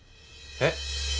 えっ？